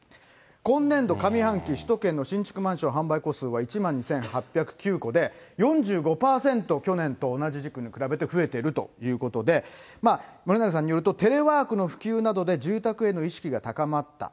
今年度上半期、首都圏の新築マンション販売戸数は１万２８０９戸で、４５％、去年と同じ時期に比べて増えてるということで、森永さんによると、テレワークの普及などで、住宅への意識が高まった。